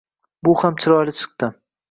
Bu ham chiroyli chiqdi.